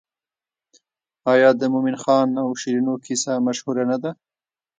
آیا د مومن خان او شیرینو کیسه مشهوره نه ده؟